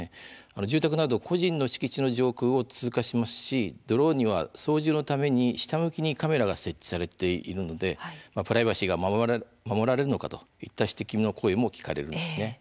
住宅など個人の敷地の上空を通過しますし、ドローンには操縦のために下向きにカメラが設置されているのでプライバシーが守られるのかといった指摘の声も聞かれるんです。